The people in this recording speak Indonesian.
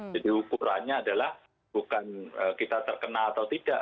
ukurannya adalah bukan kita terkena atau tidak